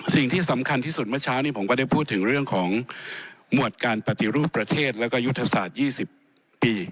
สิ่งที่สำคัญที่สุดเมื่อเช้านี้ผมก็ได้พูดถึงเรื่องของหมวดการปฏิรูปประเทศแล้วก็ยุทธศาสตร์๒๐ปี